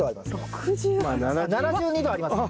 ６８？７２度ありますよ。